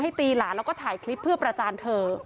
ตีหลานแล้วก็ถ่ายคลิปเพื่อประจานเธอ